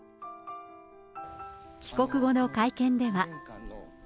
帰国後の会見では。